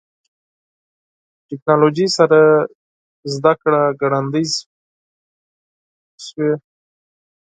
ټکنالوژي سره زدهکړه ګړندۍ شوې.